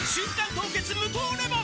凍結無糖レモン」